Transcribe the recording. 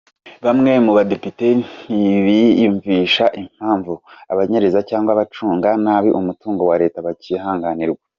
Bamwe mu badepite ntibiyumvisha impamvu abanyereza cyangwa bagacunga nabi umutungo wa leta bakihanganirwa.